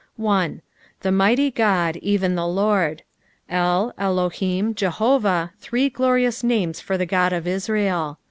1. "The mighty Qod, even the L(rrt£" — El, Elohim, Jehovah, three glorious ntunea for the God of Israel.